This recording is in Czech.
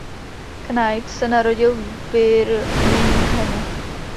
Knight se narodil v Birminghamu.